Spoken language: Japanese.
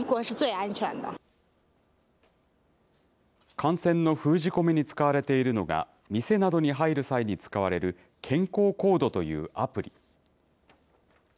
感染の封じ込めに使われているのが、店などに入る際に使われる健康コードというアプリ。